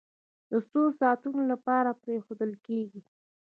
د څو ساعتونو لپاره پرېښودل کېږي.